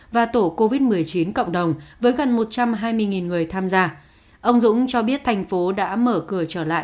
và tổ covid một mươi chín cộng đồng với gần một trăm hai mươi người tham gia ông dũng cho biết thành phố đã mở cửa trở lại